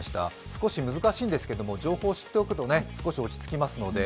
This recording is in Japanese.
少し難しいんですけど情報を知っておくと少し落ち着きますので。